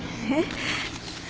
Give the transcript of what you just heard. えっ？